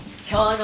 そう。